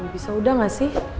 bisa udah gak sih